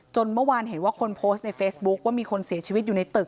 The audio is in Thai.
เมื่อวานเห็นว่าคนโพสต์ในเฟซบุ๊คว่ามีคนเสียชีวิตอยู่ในตึก